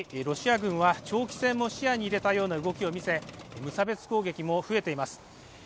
ロシア軍は長期戦も視野に入れたような動きをみせ無差別攻撃も増えています。